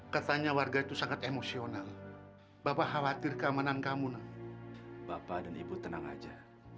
katanya warga itu sangat emosional bapak khawatir keamanan kamu bapak dan ibu tenang aja